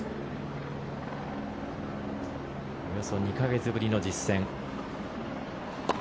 およそ２か月ぶりの実戦。